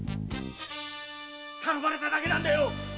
頼まれただけなんだよ！